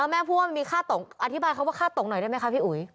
แม่พูดว่ามันมีค่าตกอธิบายคำว่าค่าตกหน่อยได้ไหมคะพี่อุ๋ย